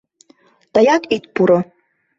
Тыят ит пуро.